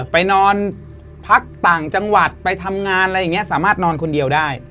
ไปนอนพักต่างจังหวัดไปทำงานอะไรอย่างนี้สามารถนอนคนเดียวได้